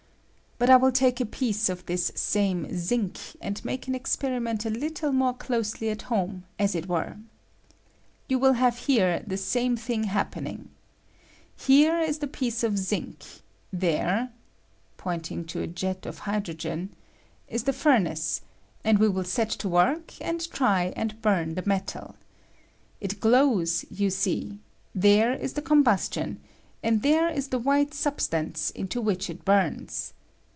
But I will take a piece of this same zinc, and make an experiment a httle more closely at home, as it were. You will have here the same thing happening. Here is ^ 58 coMBuarioN op zinc. the piece of zine; there [pointing to a jet of hydrogen] is the furnace, and we will set to work and try and burn the metal. It glows, you see; there is the combustion ; and there is the white substance into wbich it bums.